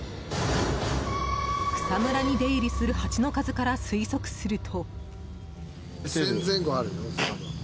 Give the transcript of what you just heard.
草むらに出入りするハチの数から推測すると。